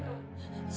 saya akan berdoa